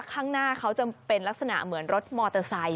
ข้างหน้าเขาจะเป็นลักษณะเหมือนรถมอเตอร์ไซค